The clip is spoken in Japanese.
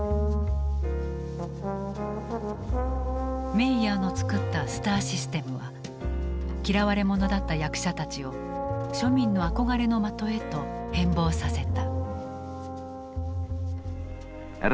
メイヤーの作ったスターシステムは嫌われ者だった役者たちを庶民の憧れの的へと変貌させた。